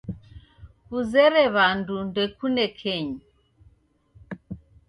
Kuzere w'andu ndekune kenyu.